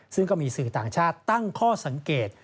ซึ่งก็มีสื่อต่างชาติตั้งข้อสังเกต